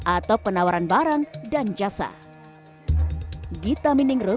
atau penawaran barang dan jasa